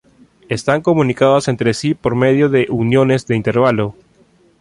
Están comunicados entre sí por medio de "uniones de intervalo".